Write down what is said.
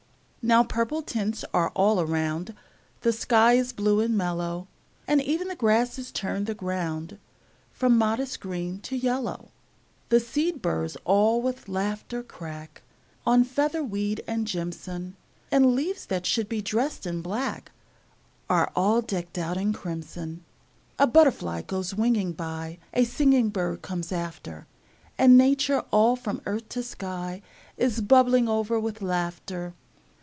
Now purple tints are all around; The sky is blue and mellow; And e'en the grasses turn the ground From modest green to yellow. The seed burrs all with laughter crack On featherweed and jimson; And leaves that should be dressed in black Are all decked out in crimson. A butterfly goes winging by; A singing bird comes after; And Nature, all from earth to sky, Is bubbling o'er with laughter.